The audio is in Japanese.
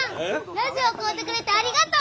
ラジオ買うてくれてありがとう！